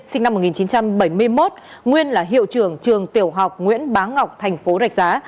sinh năm một nghìn chín trăm bảy mươi một nguyên là hiệu trưởng trường tiểu học nguyễn bá ngọc thành phố rạch giá